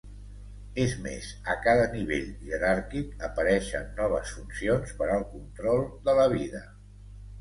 És més, a cada nivell jeràrquic, apareixen noves funcions per al control de la vida.